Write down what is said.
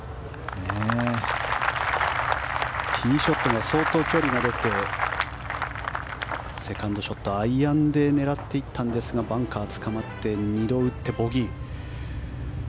ティーショットが相当距離が出てセカンドショットアイアンで狙っていったんですがバンカーつかまって２度打ってボギー。